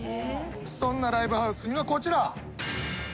そんなライブハウスにはこちら。